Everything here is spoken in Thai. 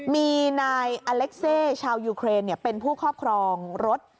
มีนายอเล็กเซชาวยูเครนเป็นผู้ครอบครองรถ